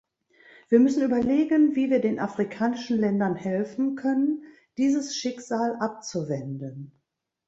Wir müssen überlegen, wie wir den afrikanischen Ländern helfen können, dieses Schicksal abzuwenden.